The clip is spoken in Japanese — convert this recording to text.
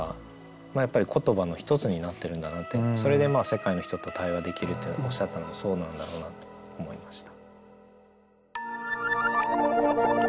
それで世界の人と対話できるっておっしゃったのはそうなんだろうなと思いました。